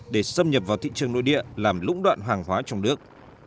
để xâm nhập vào thị trường nội địa làm lũng đoạn hàng hóa trong nước